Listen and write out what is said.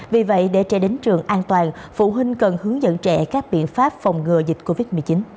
vì vậy để trẻ đến trường an toàn phụ huynh cần hướng dẫn trẻ các biện pháp phòng ngừa dịch covid một mươi chín